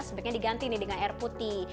sebaiknya diganti nih dengan air putih